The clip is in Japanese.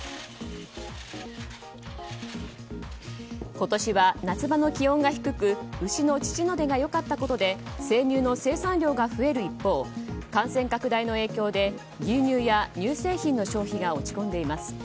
今年は夏場の気温が低く牛の乳の出がよかったことで生乳の生産量が増える一方感染拡大の影響で牛乳や乳製品の消費が落ち込んでいます。